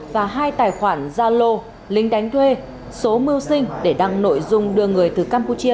và hai tài khoản gia lô linh đánh thuê số mưu sinh để đăng nội dung đưa người từ campuchia